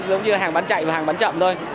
giống như là hàng bán chạy và hàng bán chậm thôi